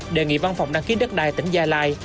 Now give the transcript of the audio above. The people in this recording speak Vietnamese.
đề nghị văn phòng đăng ký đất đai tỉnh gia lai